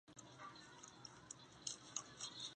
诸部大人请贺讷兄弟举拓跋圭为主。